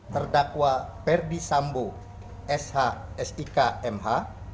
terdakwa ferdi sambo sh sik mh